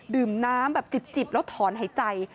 ดื่มน้ำแบบจิบแล้วถอนหายใจ